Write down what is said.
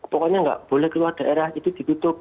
pokoknya nggak boleh keluar daerah itu ditutup